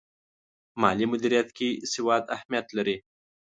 مالي مدیریت کې سواد اهمیت لري.